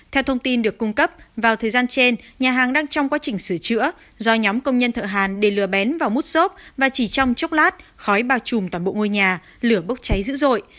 theo thông tin được cung cấp vào thời gian trên nhà hàng đang trong quá trình sửa chữa do nhóm công nhân thợ hàn để lửa bén vào mút xốp và chỉ trong chốc lát khói bao trùm toàn bộ ngôi nhà lửa bốc cháy dữ dội